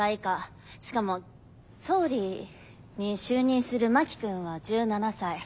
しかも総理に就任する真木君は１７才。